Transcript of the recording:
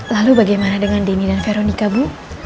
lalu bagaimana dengan denny dan veronica bu